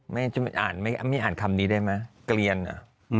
ไม่อ่านคำนี้ได้มั้ยเกลียนอ่ะ